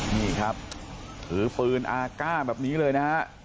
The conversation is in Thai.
นี่ครับถือปืนอาก้าแบบนี้เลยนะฮะ